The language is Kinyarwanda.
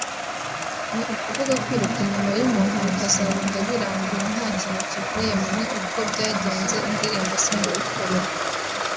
ni ukuvuga kwiruka inyuma y’umuntu bikazarinda birangira nta kintu kivuyemo ni uko byagenze indirimbo sinayikorerwa